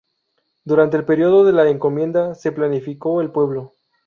Durante el periodo de la encomienda se planificó el pueblo.